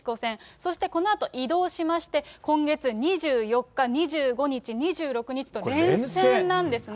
そしてこのあと移動しまして、今月２４日、２５日、２６日と連戦なんですね。